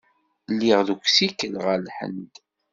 Lliɣ deg usikel ɣer Lhend.